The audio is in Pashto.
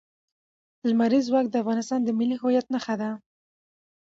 لمریز ځواک د افغانستان د ملي هویت نښه ده.